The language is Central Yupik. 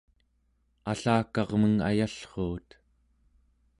allakarmeng ayallruut